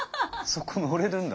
そこ乗れるんだ。